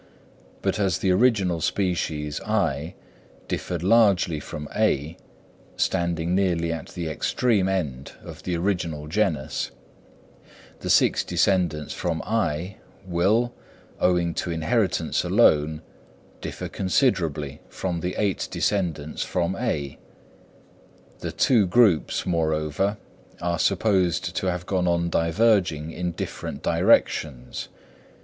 But as the original species (I) differed largely from (A), standing nearly at the extreme end of the original genus, the six descendants from (I) will, owing to inheritance alone, differ considerably from the eight descendants from (A); the two groups, moreover, are supposed to have gone on diverging in different directions.